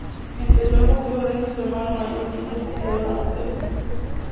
Empezó el boxeo gracias a su hermano mayor quien fue un boxeador amateur.